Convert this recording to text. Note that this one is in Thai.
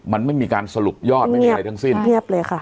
มันไม่มีการสรุปยอดไม่มีอะไรทั้งสิ้นเรียบเลยค่ะ